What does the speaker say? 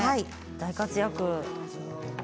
大活躍。